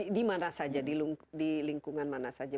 di mana saja di lingkungan mana saja